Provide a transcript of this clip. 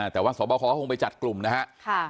แต่ว่าสวบคคงไปจัดกลุ่มนะครับ